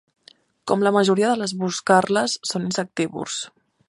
Com la majoria de les boscarles, són insectívors.